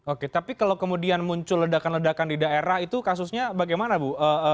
oke tapi kalau kemudian muncul ledakan ledakan di daerah itu kasusnya bagaimana bu